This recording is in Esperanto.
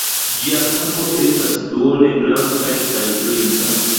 Ĝia kapo estas duone blankaj kaj griza.